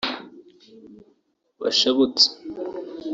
bashabutse